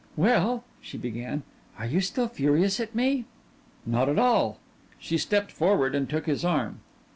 "Well," she began, "are you still furious at me?" "Not at all." She stepped forward and took his arm.